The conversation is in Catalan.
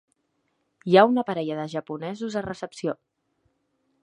Hi ha una parella de japonesos a recepció.